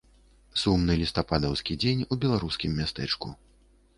Сумны лістападаўскі дзень у беларускім мястэчку.